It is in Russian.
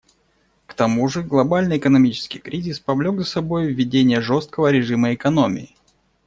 К тому же, глобальный экономический кризис повлек за собой введение жесткого режима экономии.